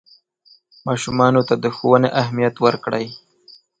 ماشومانو ته د ښوونې اهمیت ورکړئ.